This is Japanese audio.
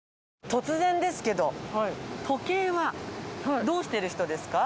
突然ですけど時計はどうしている人ですか？